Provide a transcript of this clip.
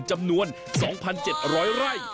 จำนวน๒๗๐๐ไร่